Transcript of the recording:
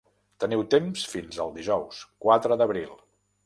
Teniu temps fins al dijous, quatre d'abril.